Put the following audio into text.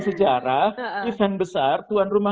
sejarah event besar tuan rumah